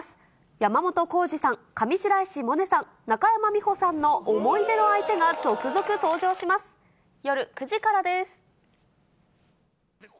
山本耕史さん、上白石萌音さん、中山美穂さんの思い出の相手が続々登場します。